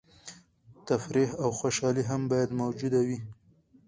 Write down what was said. تفریح او خوشحالي هم باید موجوده وي.